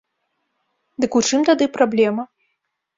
Дык у чым тады праблема?